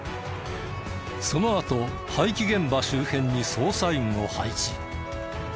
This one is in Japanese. そのあと廃棄現場周辺に捜査員を配置。